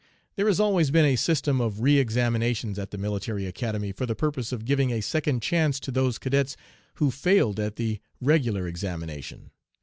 There has always been a system of re examinations at the Military Academy for the purpose of giving a second chance to those cadets who failed at the regular examination.